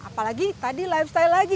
apalagi tadi lifestyle lagi